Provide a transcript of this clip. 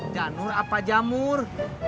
janur apa jamur